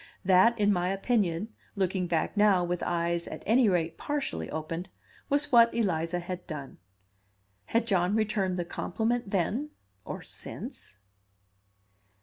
That, in my opinion, looking back now with eyes at any rate partially opened, was what Eliza had done. Had John returned the compliment then, or since?